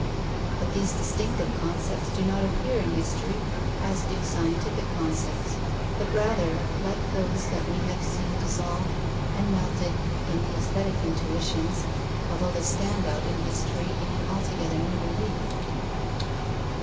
But these distinctive concepts do not appear in history as do scientific concepts, but rather like those that we have seen dissolved and melted in the aesthetic intuitions, although they stand out in history in an altogether new relief.